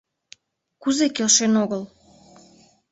— Кузе келшен огыл?